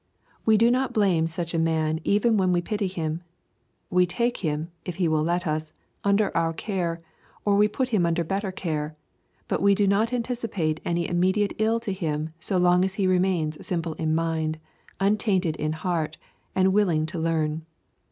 We do not blame such a man even when we pity him. We take him, if he will let us, under our care, or we put him under better care, but we do not anticipate any immediate ill to him so long as he remains simple in mind, untainted in heart, and willing to learn.